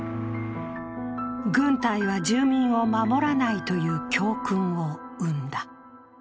軍隊は住民を守らないという教訓を生んだ。